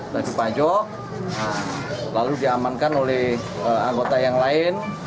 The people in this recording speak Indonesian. lalu dipacok lalu diamankan oleh anggota yang lain